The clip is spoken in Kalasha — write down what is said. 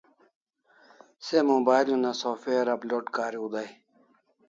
Se mobile una software upload kariu dai